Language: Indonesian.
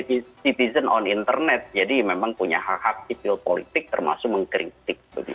artinya citizen on internet jadi memang punya hak hak di field politik termasuk mengkritik